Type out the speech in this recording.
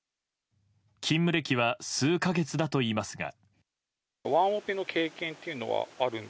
勤務歴は数か月だといいますが。